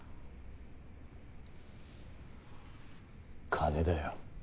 金だよ。